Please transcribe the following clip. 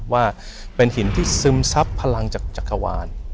ว่าเป็นหินที่ซึมซับพลังจากจักรวาล